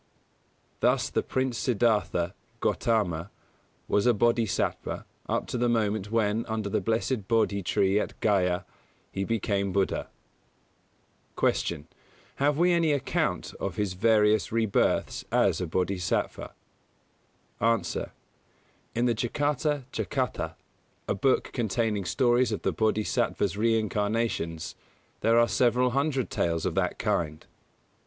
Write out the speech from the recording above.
Thus the Prince Siddhartha Gautama was a Bōdhisattva up to the moment when, under the blessed Bōdhi tree at Gayā, he became Buddha. 111. Q. Have we any account of his various rebirths as a Bodhisattva? A. In the Jātakatthakathā, a book containing stories of the Bōdhisattva's reincarnations, there are several hundred tales of that kind.